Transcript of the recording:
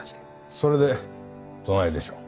それでどないでしょう？